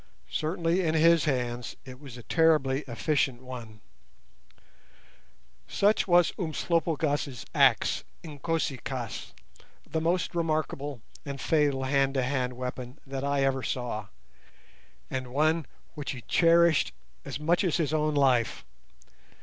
Certainly in his hands it was a terribly efficient one. Such was Umslopogaas' axe, Inkosi kaas, the most remarkable and fatal hand to hand weapon that I ever saw, and one which he cherished as much as his own life.